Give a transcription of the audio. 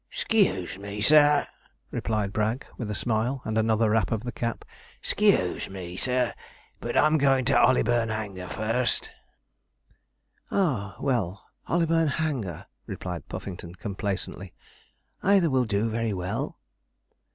'Sc e e use me, sir,' replied Bragg, with a smile, and another rap of the cap: 'sc e e use me, sir, but I'm going to Hollyburn Hanger first.' 'Ah, well, Hollyburn Hanger,' replied Puffington, complacently; 'either will do very well.'